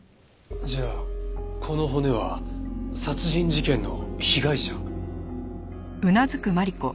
じゃあこの骨は殺人事件の被害者？